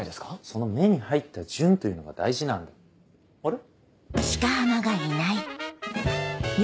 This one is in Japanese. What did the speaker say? その目に入った順というのが大事なんだよあれ？